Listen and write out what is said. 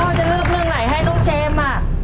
จะเลือกเรื่องไหนให้น้องเจมส์